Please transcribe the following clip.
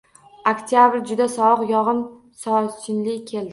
Oktyabr juda sovuq, yogʻin-sochinli keldi.